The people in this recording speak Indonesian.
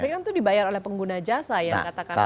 tapi kan itu dibayar oleh pengguna jasa ya katakanlah